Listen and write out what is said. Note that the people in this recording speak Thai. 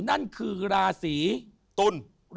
นั่นคือราศีตุล